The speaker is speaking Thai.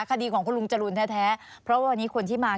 คดีของคุณลุงจรูนแท้เพราะวันนี้คนที่มา